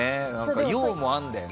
陽もあるんだよね。